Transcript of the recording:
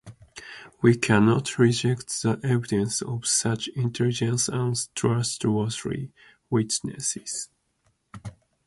We cannot reject the evidence of such intelligent and trustworthy witnesses.